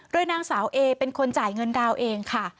โดยนางสาวเอเป็นคนจ่ายเงินดาวน์เองค่ะ